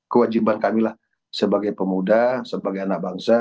kewajiban kamilah sebagai pemuda sebagai anak bangsa